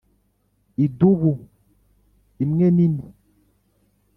idubu imwe nini,